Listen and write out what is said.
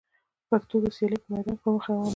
پښتو د سیالۍ په میدان کي پر مخ روانه ده.